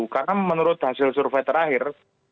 karena menurut hasil survei terakhir